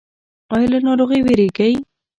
ایا له ناروغۍ ویریږئ؟